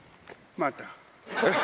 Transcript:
また。